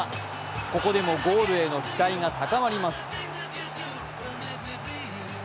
ここでもゴールへの期待が高まります。